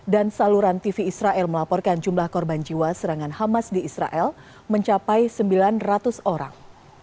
dan saluran tv israel melaporkan jumlah korban jiwa serangan hamas di israel mencapai sembilan ratus orang